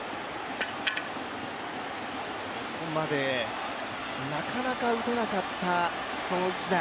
ここまでなかなか打てなかった、その一打。